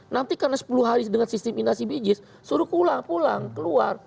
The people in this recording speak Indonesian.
nanti karena sepuluh hari dengan sistem inasi bijis suruh pulang pulang keluar